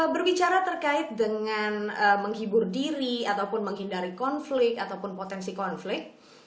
berbicara terkait dengan menghibur diri ataupun menghindari konflik ataupun potensi konflik